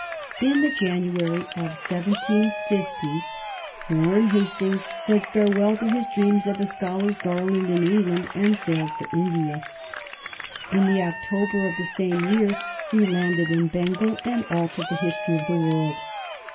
In the January of 1750 Warren Hastings said farewell to his dreams of a scholar's garland in England and sailed for India. In the October of the same year he landed in Bengal and altered the history of the world.